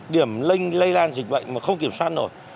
điểm lây lan dịch bệnh mà không kiểm soát nổi